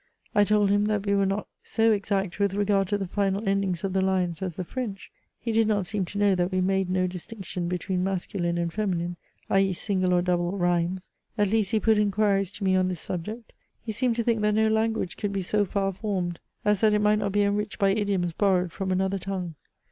I told him that we were not so exact with regard to the final endings of the lines as the French. He did not seem to know that we made no distinction between masculine and feminine (i.e. single or double,) rhymes: at least he put inquiries to me on this subject. He seemed to think that no language could be so far formed as that it might not be enriched by idioms borrowed from another tongue.